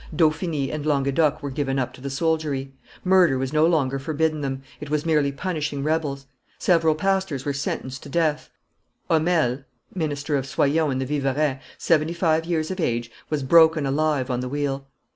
Dauphiny and Languedoc were given up to the soldiery; murder was no longer forbidden them, it was merely punishing rebels; several pastors were sentenced to death; Homel, minister of Soyon in the Vivarais, seventy five years of age, was broken alive on the wheel.